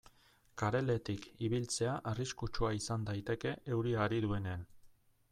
Kareletik ibiltzea arriskutsua izan daiteke euria ari duenean.